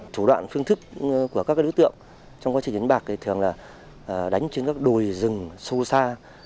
chủ đoạn phương thức của các đối tượng trong quá trình chiến bạc thường là đánh trên các đồi rừng sâu xa